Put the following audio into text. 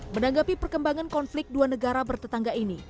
menanggapi perkembangan konflik dua negara bertetangga ini